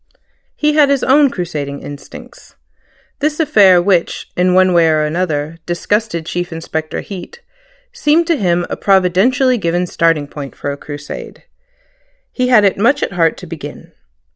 He had his own crusading instincts. This affair, which, in one way or another, disgusted Chief Inspector Heat, seemed to him a providentially given starting point for a crusade. He had it much at heart to begin.